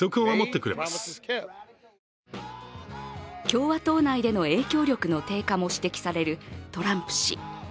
共和党内での影響力の低下も指摘されるトランプ氏。